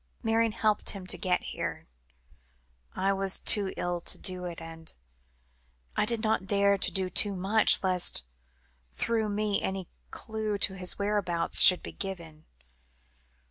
"Marion helped him to get here. I was too ill to do it, and I did not dare to do too much, lest through me any clue to his whereabouts should be given.